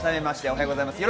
おはようございます。